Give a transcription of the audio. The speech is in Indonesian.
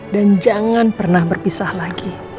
dan jangan pernah berpisah lagi